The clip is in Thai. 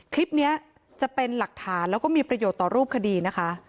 คลิปนี้จะเป็นหลักฐานแล้วก็มีประโยชน์ต่อรูปคดีนะคะ